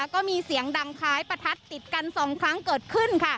ก็มีเสียงดังคล้ายประทัดติดกัน๒ครั้งเกิดขึ้น